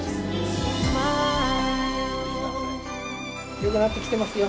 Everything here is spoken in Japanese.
よくなってきてますよ。